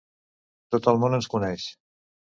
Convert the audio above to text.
Tot el món ens coneix.